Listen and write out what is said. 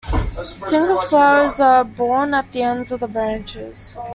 Single flowers are borne at the ends of the branches.